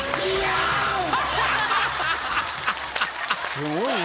すごいね。